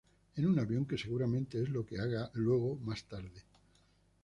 En un avión, que seguramente es lo que haga luego más tarde.